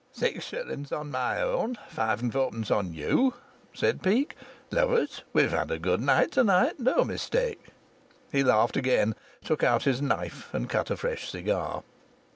"Six shillings on my own; five and fourpence on you," said Peake. "Lovatt, we've had a good night; no mistake." He laughed again, took out his knife, and cut a fresh cigar.